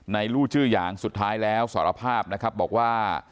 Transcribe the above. ในลู่จืออย่างสุดท้ายแล้วสอรภาพบอกว่า